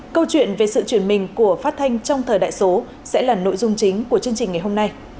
câu chuyện về sự chuyển mình của phát thanh trong thời đại số sẽ là nội dung chính của chương trình ngày hôm nay